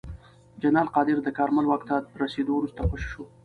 جنرال قادر د کارمل واک ته رسېدو وروسته خوشې شو.